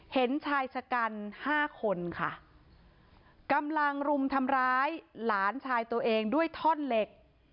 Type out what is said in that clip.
เห็นชายชะกันห้าคนค่ะกำลังรุมทำร้ายหลานชายตัวเองด้วยท่อนเหล็ก